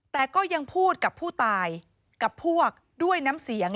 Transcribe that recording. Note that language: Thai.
แต่ก็ยังพูดกับผู้ตายกับพวกด้วยน้ำเสียง